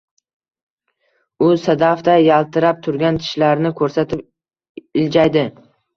U sadafday yaltirab turgan tishlarini ko`rsatib, iljaydi